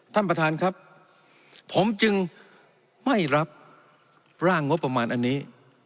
ท่านประธานครับผมจึงไม่รับร่างงบประมาณอันนี้